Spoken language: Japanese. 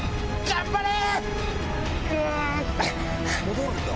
頑張れ！